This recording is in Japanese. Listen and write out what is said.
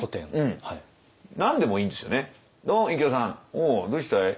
「おうどうした？